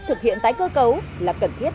thực hiện tái cơ cấu là cần thiết